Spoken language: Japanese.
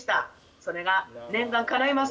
それが念願かないます。